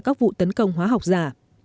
các vụ tấn công hóa học giả